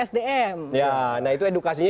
sdm ya nah itu edukasinya